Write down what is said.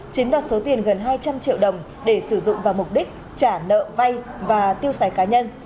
chiếm đoạt số tiền gần hai trăm linh triệu đồng để sử dụng vào mục đích trả nợ vay và tiêu xài cá nhân